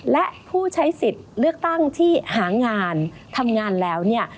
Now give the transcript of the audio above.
และผู้ใช้สิทธิ์เลือกตั้งที่หางานทำงานแล้วเนี่ย